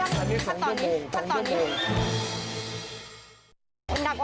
ใช้กันละนานด้วยครับคูช่าง